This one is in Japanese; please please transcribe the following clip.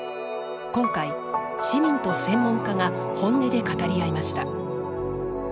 今回市民と専門家が本音で語り合いました。